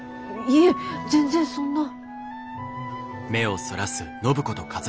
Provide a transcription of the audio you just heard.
いえ全然そんな。